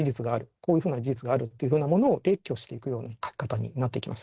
こういうふうな事実があるっていうふうなものを列挙していくような書き方になってきます。